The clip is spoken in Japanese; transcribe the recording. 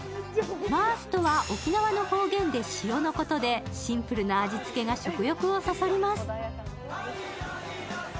マースとは沖縄の方言で塩のことで、シンプルな味付けが食欲をそそります。